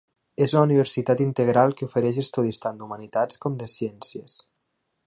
És una universitat integral que ofereix estudis tant d'Humanitats com de Ciències.